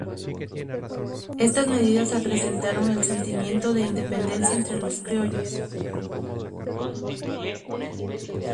Estas medidas acrecentaron el sentimiento de independencia entre los criollos.